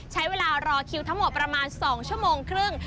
ใช้เวลารอคิวทั้งหมดประมาณ๒ชั่วโมงครึ่ง